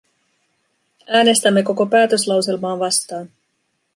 Äänestämme koko päätöslauselmaa vastaan.